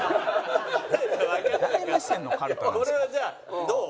これはじゃあどう？